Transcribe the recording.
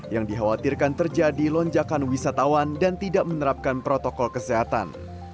yang dikhawatirkan terjadi lonjakan wisatawan dan tidak menerapkan protokol kesehatan